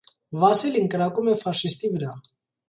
Վասիլին կրակում է ֆաշիստի վրա։